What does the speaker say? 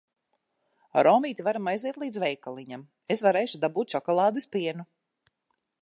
Ar omīti varam aiziet līdz veikaliņam. Es varēšu dabūt šokolādes pienu.